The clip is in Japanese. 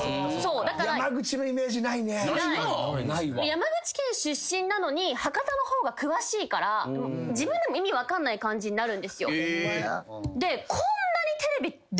山口県出身なのに博多の方が詳しいから自分でも意味分かんない感じになるんですよ。